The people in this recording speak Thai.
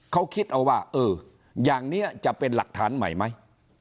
เขาคิดเอาว่าเอออย่างนี้จะเป็นหลักฐานใหม่ไหม